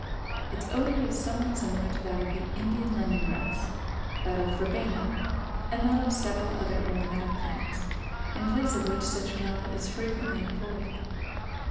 Its odor is somewhat similar to that of the Indian lemon grass, that of verbena, and that of several other aromatic plants, in place of which citronella is frequently employed.